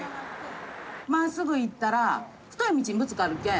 真っすぐ行ったら太い道にぶつかるけん。